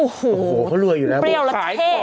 โอ้โฮเขาเรื่อยอยู่แล้วเปรี้ยวแล้วเท่